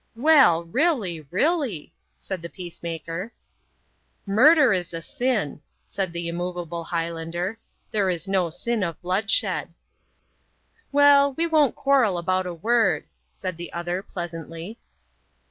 "Well, really, really!" said the peacemaker. "Murder is a sin," said the immovable Highlander. "There is no sin of bloodshed." "Well, we won't quarrel about a word," said the other, pleasantly.